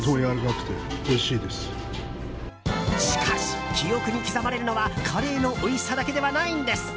しかし、記憶に刻まれるのはカレーのおいしさだけではないんです。